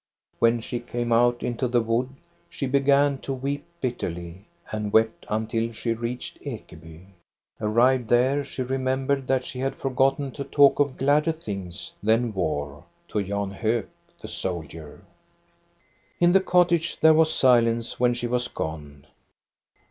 When she came out into the wood, she began to weep bitterly, and wept until she reached Ekeby. Arrived there, she remembered that she had forgotten to talk of gladder things than war to Jan Hok, the soldier. In the cottage there was silence when she was gone.